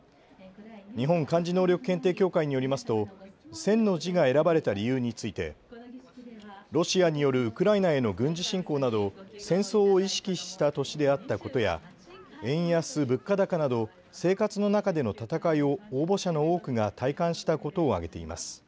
日本漢字能力検定協会によりますと戦の字が選ばれた理由についてロシアによるウクライナへの軍事侵攻など戦争を意識した年であったことや円安・物価高など生活の中での戦いを応募者の多くが体感したことを挙げています。